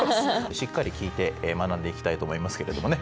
しっかり聞いて学んでいきたいと思いますけれどもね。